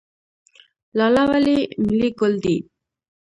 لاله ولې ملي ګل دی؟